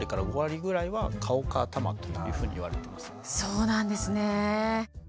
なのでそうなんですね。